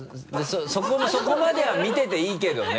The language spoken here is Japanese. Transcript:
そこまでは見てていいけどね。